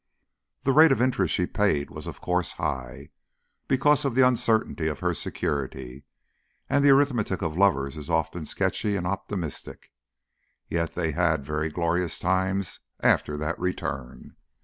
The rate of interest she paid was of course high, because of the uncertainty of her security, and the arithmetic of lovers is often sketchy and optimistic. Yet they had very glorious times after that return.